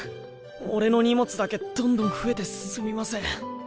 俺の荷物だけどんどん増えてすみません。